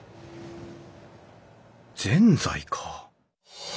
ぜんざいか。